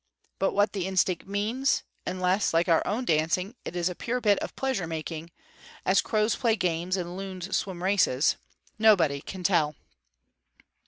But what the instinct means unless, like our own dancing, it is a pure bit of pleasure making, as crows play games and loons swim races nobody can tell.